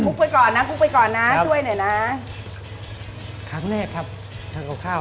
ไปก่อนนะปุ๊กไปก่อนนะช่วยหน่อยนะครั้งแรกครับทำกับข้าว